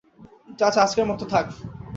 চাচা, আজকের মতো থাক।